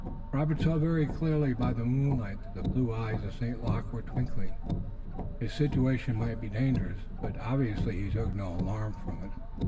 Robert saw very clearly by the moonlight that the blue eyes of St. Luc were twinkling. His situation might be dangerous, but obviously he took no alarm from it.